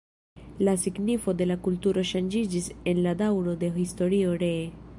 La signifo de kulturo ŝanĝiĝis en la daŭro de historio ree.